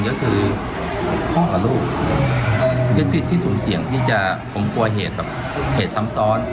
ก็คือพ่อกับลูกที่สุ่มเสี่ยงที่จะผมกลัวเหตุแบบเหตุซ้ำซ้อน